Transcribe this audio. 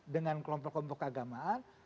dengan kelompok kelompok keagamaan